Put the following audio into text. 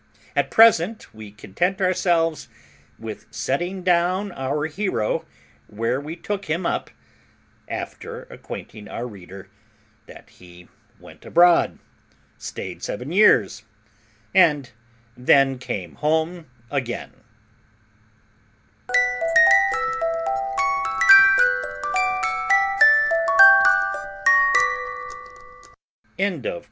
At present we content ourselves with setting down our hero where we took him up, after acquainting our reader that he went abroad, staid seven years, and then came home again.